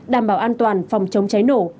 đảm bảo an toàn phòng chống cháy nổ